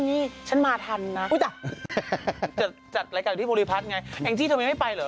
นี่ฉันมาทันนะอุ๊ยจ๋าจัดรายการอยู่ที่โปรดีพัทม์ไงแหงจี้ทุกวันไม่ไม่ไปเหรอ